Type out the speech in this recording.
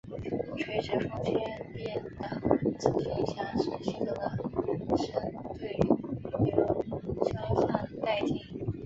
垂直风切变的持续影响使系统的深对流消散殆尽。